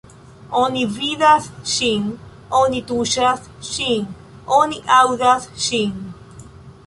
Oni vidas ŝin, oni tuŝas ŝin, oni aŭdas ŝin.